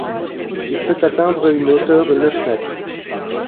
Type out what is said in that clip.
Il peut atteindre une hauteur de neuf mètres.